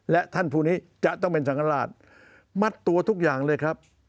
และท่านผู้นี้จะต้องเป็นสังฆราชมัดตัวทุกอย่างเลยครับ